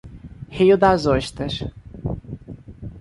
Rio Das Ostras